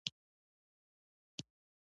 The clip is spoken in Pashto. د نیمروز په کنگ کې د مالګې نښې شته.